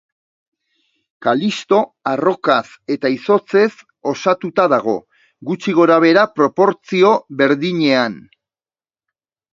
Kalisto arrokaz eta izotzez osatua dago, gutxi gorabehera proportzio berdinean.